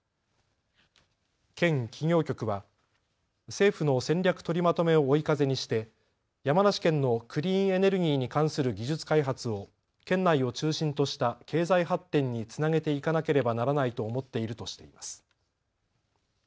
県企業局は政府の戦略取りまとめを追い風にして、山梨県のクリーンエネルギーに関する技術開発を県内を中心とした経済発展につなげていかなければならないと思っているとしています。